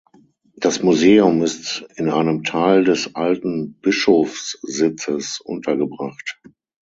Das Museum ist in einem Teil des alten Bischofssitzes untergebracht.